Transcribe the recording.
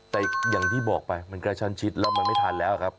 แต่อย่างที่บอกไปมันกระชั้นชิดแล้วมันไม่ทันแล้วครับ